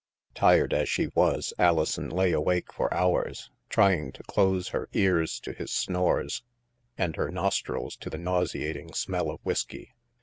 Tired as she was, Alison lay awake for hours, trying to close her ears to his snores and her nostrils to the nauseating smell of whisky.